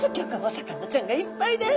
魚ちゃんがいっぱいです。